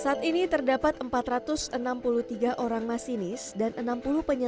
saat ini terdapat empat ratus enam puluh tiga orang mas relekan ee